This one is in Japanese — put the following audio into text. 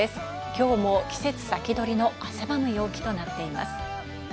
今日も季節先取りの汗ばむ陽気となっています。